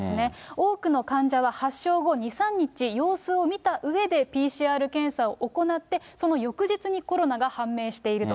多くの患者は発症後、２、３日様子を見たうえで、ＰＣＲ検査を行って、その翌日にコロナが判明していると。